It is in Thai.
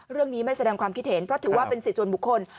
เรื่องนี้ไม่แสดงความคิดเห็นเพราะถือว่าเป็นสิจวนบุคคล